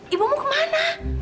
ibu mau ke mana